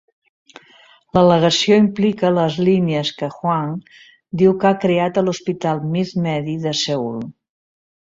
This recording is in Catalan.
La al·legació implica les línies que Hwang diu que ha creat a l'hospital MizMedi de Seoul.